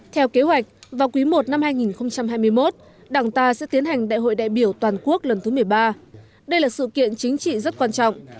theo kế hoạch vào quý i năm hai nghìn hai mươi một đảng ta sẽ tiến hành đại hội đại biểu toàn quốc lần thứ một mươi ba đây là sự kiện chính trị rất quan trọng